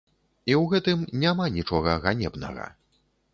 І ў гэтым няма нічога ганебнага.